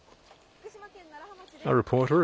福島県楢葉町です。